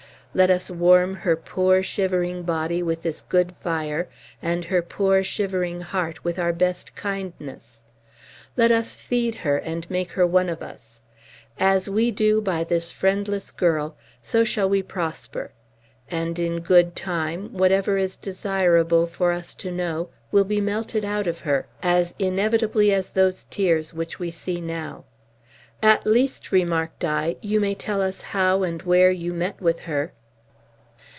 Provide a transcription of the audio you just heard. Let us warm her poor, shivering body with this good fire, and her poor, shivering heart with our best kindness. Let us feed her, and make her one of us. As we do by this friendless girl, so shall we prosper. And, in good time, whatever is desirable for us to know will be melted out of her, as inevitably as those tears which we see now." "At least," remarked I, "you may tell us how and where you met with her."